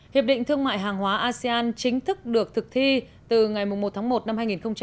hiệp định thương mại hàng hóa asean chính thức được thực thi từ ngày một tháng một năm hai nghìn hai mươi